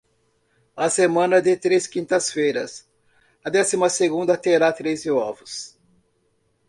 A semana de três quintas-feiras, a décima segunda terá treze ovos.